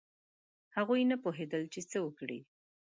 هغوی نه پوهېدل چې څه وکړي.